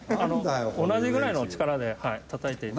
同じぐらいの力で叩いて頂いて。